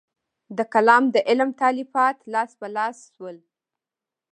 د کلام د علم تالیفات لاس په لاس شول.